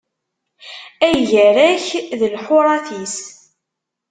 Ay gar-ak d lḥuṛat-is!